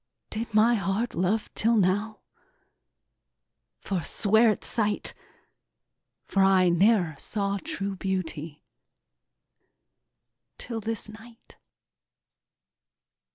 Did my heart love till now? forswear it, sight! For I ne'er saw true beauty till this night!"